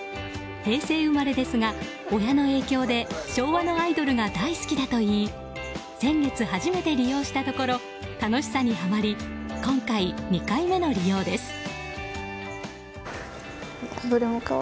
平成生まれですが、親の影響で昭和のアイドルが大好きだといい先月初めて利用したところ楽しさにはまり今回、２回目の利用です。